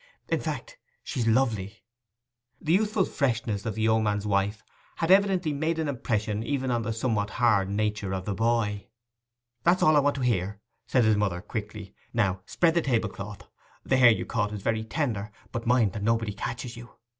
In fact, she's lovely.' The youthful freshness of the yeoman's wife had evidently made an impression even on the somewhat hard nature of the boy. 'That's all I want to hear,' said his mother quickly. 'Now, spread the table cloth. The hare you caught is very tender; but mind that nobody catches you.